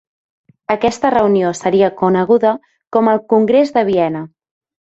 Aquesta reunió seria coneguda com el "Congrés de Viena".